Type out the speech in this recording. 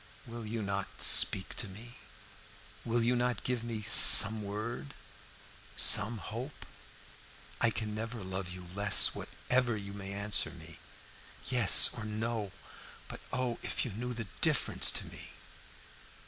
"Will you not speak to me? Will you not give to me some word some hope? I can never love you less, whatever you may answer me yes or no but oh, if you knew the difference to me!"